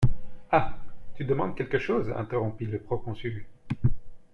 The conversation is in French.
Ah ! tu demandes quelque chose ? interrompit le proconsul.